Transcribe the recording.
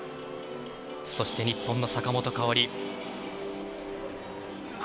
そして、日本の坂本花織。